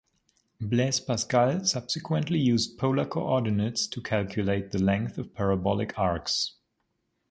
Blaise Pascal subsequently used polar coordinates to calculate the length of parabolic arcs.